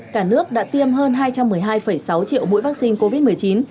cả nước đã tiêm hơn hai trăm một mươi hai sáu triệu mũi vaccine covid một mươi chín